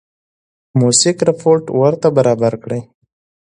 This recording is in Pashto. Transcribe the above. موثق رپوټ ورته برابر کړي.